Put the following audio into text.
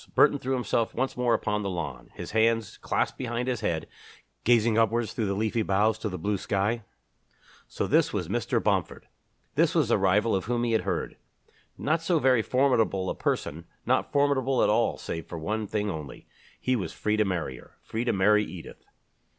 Burton threw himself once more upon the lawn, his hands clasped behind his head, gazing upwards through the leafy boughs to the blue sky. So this was Mr. Bomford! This was the rival of whom he had heard! Not so very formidable a person, not formidable at all save for one thing only he was free to marry her, free to marry Edith.